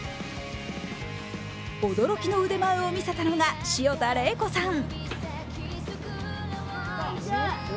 驚きの腕前を見せたのが潮田玲子さん。